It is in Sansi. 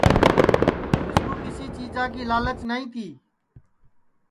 مِسکُو کسی چیجا کی لالچ نائی تی